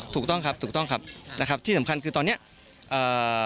ถูกต้องครับถูกต้องครับนะครับที่สำคัญคือตอนเนี้ยอ่า